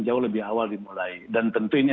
jauh lebih awal dimulai dan tentu ini